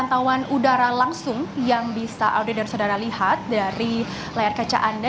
pantauan udara langsung yang bisa audit dan saudara lihat dari layar kaca anda